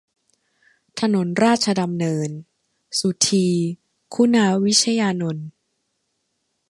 ถนนราชดำเนิน สุธี คุณาวิชยานนท์